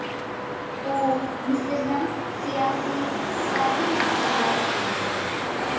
ئۇ مىسىرنىڭ سىياسىي، ئىقتىسادىي مەركىزى ھېسابلىنىدۇ.